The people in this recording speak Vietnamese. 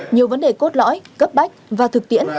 nhiều vấn đề cốt lõi cấp bách và thực tiễn